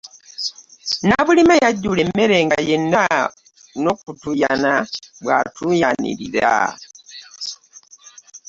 Nabulime yajjula emmere nga yenna n'okutuuyana bw'atuuyanirira.